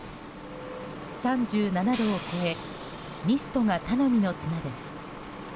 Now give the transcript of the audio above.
３７度を超えミストが頼みの綱です。